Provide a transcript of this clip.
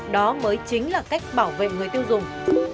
đó mới chính là cách bảo vệ người tiêu dùng